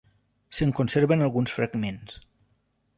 Se'n conserven alguns fragments.